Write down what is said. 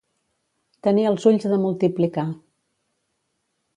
Tenir els ulls de multiplicar.